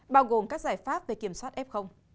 bao gồm các giải pháp về kiểm soát f